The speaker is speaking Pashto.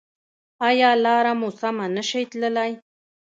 ایا لاره مو سمه نه شئ تللی؟